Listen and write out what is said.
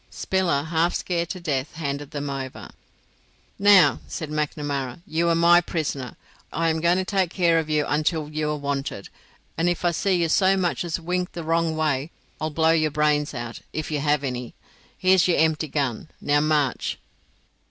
Spiller, half scared to death, handed them over. "Now," said Macnamara, "you are my prisoner. I am going to take care of you until you are wanted; and if I see you so much as wink the wrong way I'll blow your brains out, if you have any. Here's your empty gun. Now march."